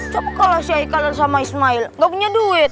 siapa kalau si aikal dan ismail gak punya duit